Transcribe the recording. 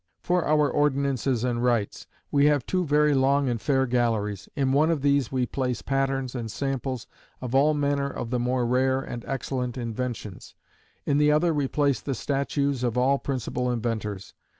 "For our ordinances and rites: we have two very long and fair galleries: in one of these we place patterns and samples of all manner of the more rare and excellent inventions in the other we place the statues of all principal inventors.